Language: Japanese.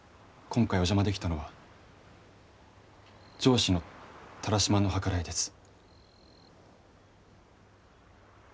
今回お邪魔できたのは上司の田良島の計らいです。